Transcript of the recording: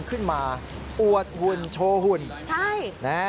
ขึ้นมาอวดหุ่นโชว์หุ่น